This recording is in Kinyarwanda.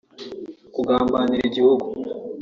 kugambanira igihugu